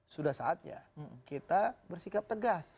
sudah saatnya kita bersikap tegas